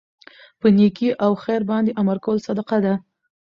په نيکۍ او خیر باندي امر کول صدقه ده